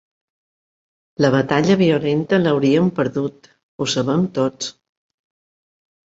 La batalla violenta l’hauríem perdut, ho sabem tots.